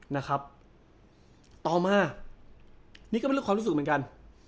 นะครับต่อมานี่ก็เป็นเรื่องความรู้สึกเหมือนกัน